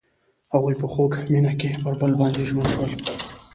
هغوی په خوږ مینه کې پر بل باندې ژمن شول.